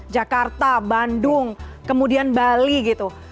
jakarta bandung kemudian bali gitu